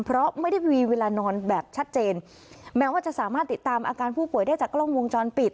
เพราะไม่ได้มีเวลานอนแบบชัดเจนแม้ว่าจะสามารถติดตามอาการผู้ป่วยได้จากกล้องวงจรปิด